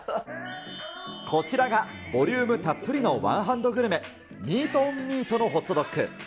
こちらがボリュームたっぷりのワンハンドグルメ、ミートｏｎミートのホットドッグ。